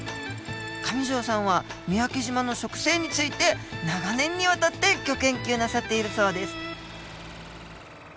上條さんは三宅島の植生について長年にわたってギョ研究なさっているそうです。